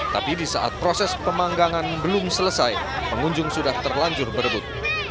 tapi di saat proses pemanggangan belum selesai pengunjung sudah terlanjur berebut